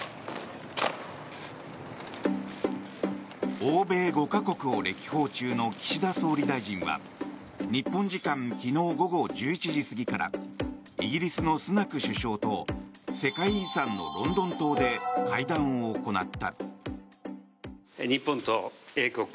欧米５か国を歴訪中の岸田総理大臣は日本時間昨日午後１１時過ぎからイギリスのスナク首相と世界遺産のロンドン塔で会談を行った。